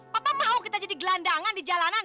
papa mau kita jadi gelandangan di jalanan